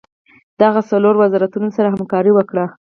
دغه څلور وزارتونه سره همکاري وکړي.